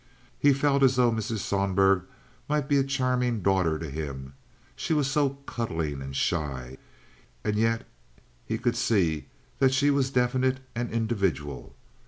He felt as though Mrs. Sohlberg might be a charming daughter to him—she was so cuddling and shy—and yet he could see that she was definite and individual.